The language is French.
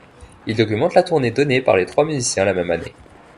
Il documente la tournée donnée par les trois musiciens la même année.